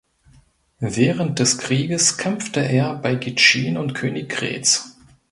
Während des Krieges kämpfte er bei Gitschin und Königgrätz.